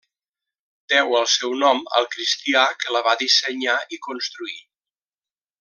Deu el seu nom al cristià que la va dissenyar i construir.